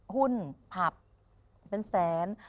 หุ้นผับเป็นแสน